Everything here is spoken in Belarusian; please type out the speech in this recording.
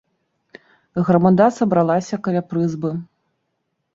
Грамада сабралася каля прызбы.